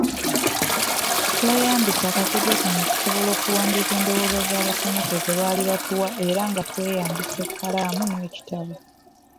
Tweyaambisa akakodyo kano okusobola okuwandiika endowooza z'abasomesa ze baali batuwa era nga tweyambisa ekkalamu n'ekitabo.